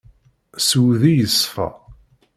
S wudi yeṣfa.